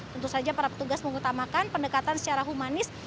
tentu saja para petugas mengutamakan pendekatan secara humanis